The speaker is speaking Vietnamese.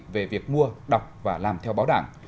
về việc mua đọc và làm theo báo đảng